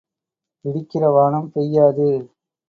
இடிக்கிற வானம் பெய்யாது.